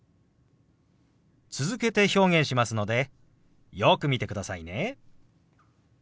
続けて表現しますのでよく見てくださいね。